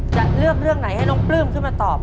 จะเลือกเรื่องไหนให้น้องปลื้มขึ้นมาตอบ